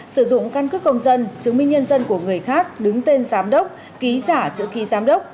sử dụng căn cứ công dân chứng minh nhân dân của người khác đứng tên giám đốc ký giả chữ ký giám đốc